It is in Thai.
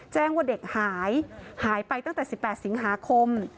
แจ้งว่าเด็กหายหายไปตั้งแต่๑๘สิงหาคม